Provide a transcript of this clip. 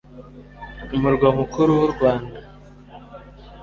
umurwa mukuru w'u Rwanda.